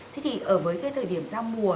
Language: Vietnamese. thế thì ở với cái thời điểm giao mùa